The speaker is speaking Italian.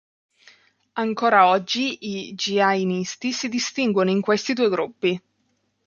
Ancora oggi i giainisti si distinguono in questi due gruppi.